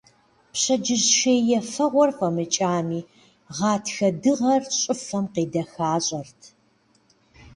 Пщэдджыжь шей ефэгъуэр фIэмыкIами, гъатхэ дыгъэр щIыфэм къедэхащIэрт.